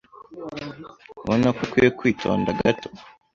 Ntubona ko ukwiye kwitonda gato?